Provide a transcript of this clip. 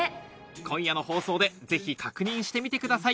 今夜の放送でぜひ確認してみてください